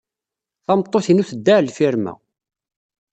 Tameṭṭut-inu tedda ɣer lfirma.